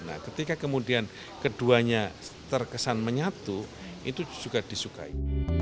nah ketika kemudian keduanya terkesan menyatu itu juga disukai